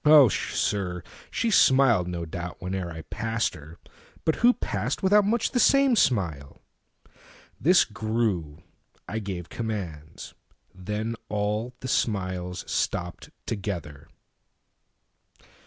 Oh sir, she smiled, no doubt, Whene'er I passed her; but who passed withoutMuch the same smile? This grew; I gave commands; Then all smiles stopped together.